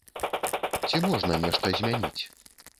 Ці можна нешта змяніць?